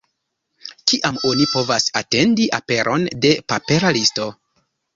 Kiam oni povas atendi aperon de papera listo?